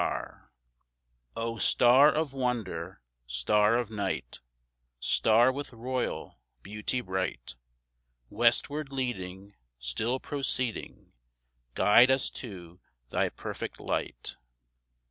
Chorus O Star of wonder, Star of night, Star with Royal Beauty bright, Westward leading. Still proceeding, Guide us to Thy perfect Light.